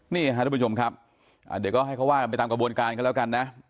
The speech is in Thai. นี่ค่ะทุกผู้ชมครับเดี๋ยวก็ให้เขาว่ากันไปตามกระบวนการกันแล้วกันนะ